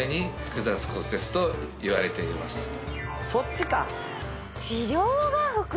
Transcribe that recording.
そっちか。